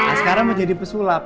askara mau jadi pesulap